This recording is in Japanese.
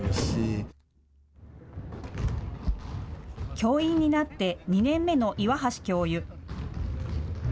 教員になって２年目の岩橋教諭。